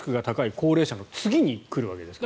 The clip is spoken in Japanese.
高齢者の次に来るわけですよね。